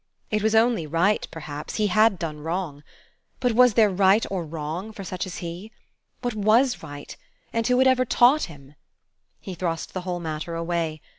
It was only right, perhaps; he had done wrong. But was there right or wrong for such as he? What was right? And who had ever taught him? He thrust the whole matter away.